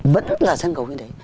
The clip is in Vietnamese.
vẫn là sân khấu như thế